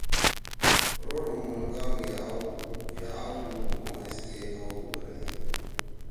روڈ ہُم مُھون گام گے آؤ دُو، یأ آؤدُو مھو ایس کے آؤدُو بندی۔